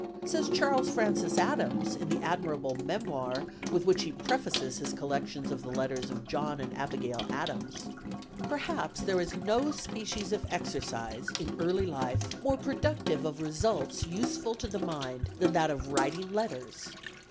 Says Charles Francis Adams, in the admirable Memoir with which he prefaces his collection of the letters of John and Abigail Adams: "Perhaps there is no species of exercise, in early life, more productive of results useful to the mind, than that of writing letters.